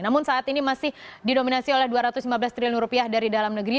namun saat ini masih didominasi oleh dua ratus lima belas triliun rupiah dari dalam negeri